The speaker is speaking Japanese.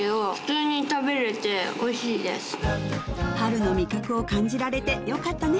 春の味覚を感じられてよかったね！